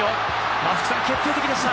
松木さん、決定的でした。